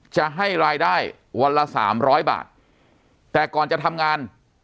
จะให้รายได้วันละสามร้อยบาทแต่ก่อนจะทำงาน